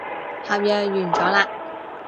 合約完咗喇